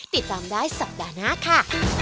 ติดตามได้สัปดาห์หน้าค่ะ